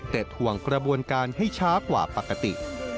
แต่ถ่วงกระบวนการให้ช้ากว่าปกติ